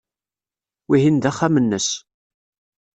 Wihin d axxam-nnes.